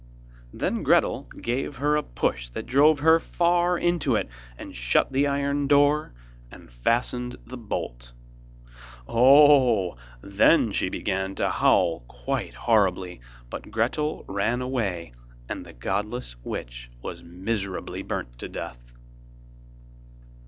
Then Gretel gave her a push that drove her far into it, and shut the iron door, and fastened the bolt. Oh! then she began to howl quite horribly, but Gretel ran away and the godless witch was miserably burnt to death.